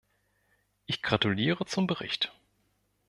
Ich gratuliere zum Bericht.